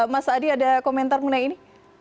mas adi ada komentar mengenai ini